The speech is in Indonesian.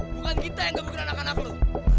bukan kita yang gebukin anak anak lo